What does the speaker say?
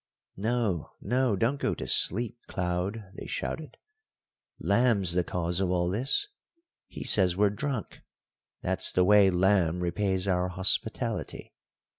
"No, no, don't go to sleep, Cloud," they shouted. "Lamb's the cause of all this. He says we're drunk that's the way Lamb repays our hospitality.